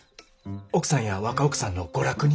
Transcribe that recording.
奥さんや若奥さんの娯楽に。